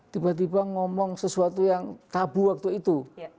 tiba tiba ngomong sesuatu yang tabu waktu itu